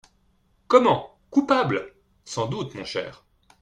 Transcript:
Comment ! coupable ! Sans doute, mon cher.